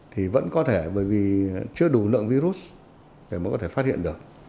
thì vẫn có thể bởi vì chưa đủ lượng virus để mới có thể phát hiện được